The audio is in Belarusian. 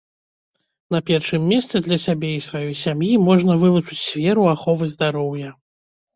На першым месцы для сябе і сваёй сям'і можна вылучыць сферу аховы здароўя.